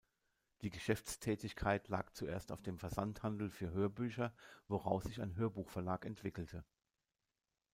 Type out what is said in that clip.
Die Geschäftstätigkeit lag zuerst auf dem Versandhandel für Hörbücher, woraus sich ein Hörbuchverlag entwickelte.